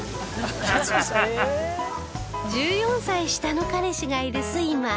１４歳下の彼氏がいるスイマー